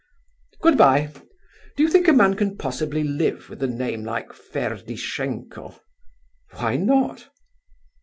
_ Good bye; do you think a man can possibly live with a name like Ferdishenko?" "Why not?"